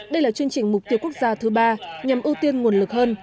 đây là chương trình mục tiêu quốc gia thứ ba nhằm ưu tiên nguồn lực hơn